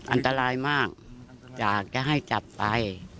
อันตรายมากอยากจะให้จับไป